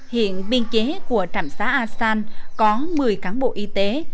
hiện biên chế của trạm xá asan có một mươi cán bộ y tế